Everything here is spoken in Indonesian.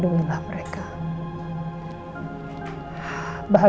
gue ngerasa seperti apa